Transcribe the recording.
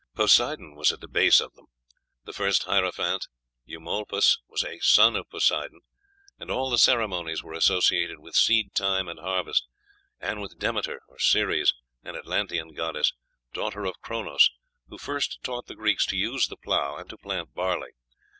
Poseidon was at the base of them; the first hierophant, Eumolpus, was "a son of Poseidon," and all the ceremonies were associated with seed time and harvest, and with Demeter or Ceres, an Atlantean goddess, daughter of Chronos, who first taught the Greeks to use the plough and to plant barley.